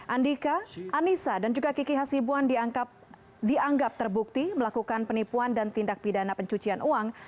andika anissa dan juga kiki hasibuan dianggap terbukti melakukan penipuan dan tindak pidana pencucian uang